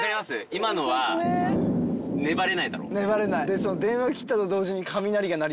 今のは粘れない。